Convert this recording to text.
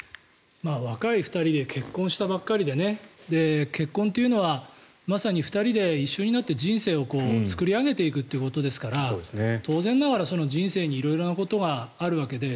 若い２人で結婚したばかりでね結婚というのはまさに２人で一緒になって人生を作り上げていくということですから当然ながら人生に色々なことがあるわけで。